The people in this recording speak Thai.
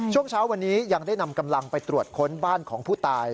ช่วงเช้าวันนี้ยังได้นำกำลังไปตรวจค้นบ้านของผู้ตาย